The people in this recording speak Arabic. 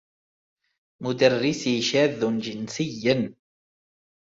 مدرّسي شاذّ جنسيّا.